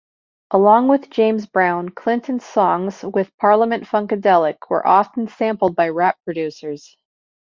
Along with James Brown, Clinton's songs with Parliament-Funkadelic were often sampled by rap producers.